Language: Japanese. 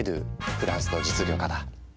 フランスの実業家だ。